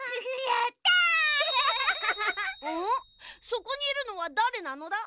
そこにいるのはだれなのだ？